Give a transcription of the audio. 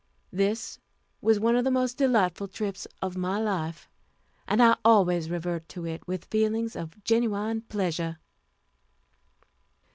This was one of the most delightful trips of my life, and I always revert to it with feelings of genuine pleasure.